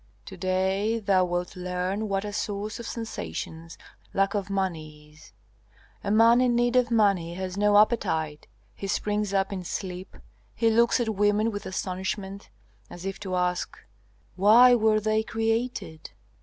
To day thou wilt learn what a source of sensations lack of money is. A man in need of money has no appetite, he springs up in sleep, he looks at women with astonishment, as if to ask, 'Why were they created?'